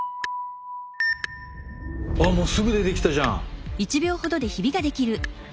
ああもうすぐ出てきたじゃん！